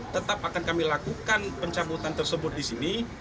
tetap akan kami lakukan pencabutan tersebut di sini